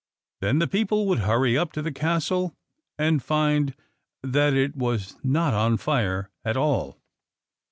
Then the people would hurry up to the Castle, and find that it was not on fire at all.